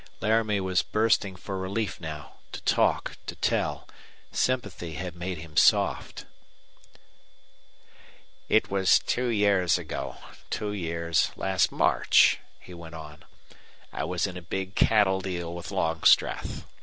Laramie was bursting for relief now to talk, to tell. Sympathy had made him soft. "It was two years ago two years last March," he went on. "I was in a big cattle deal with Longstreth.